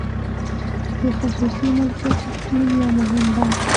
د خصوصي مالکیت شتون یو مهم بحث دی.